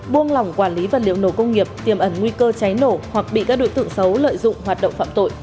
buông lỏng quản lý vật liệu nổ công nghiệp tiềm ẩn nguy cơ cháy nổ hoặc bị các đối tượng xấu lợi dụng hoạt động phạm tội